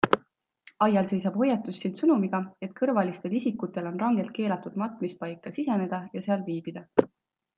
Aial seisab hoiatussilt sõnumiga, et kõrvalistel isikutel on rangelt keelatud matmispaika siseneda ja seal viibida.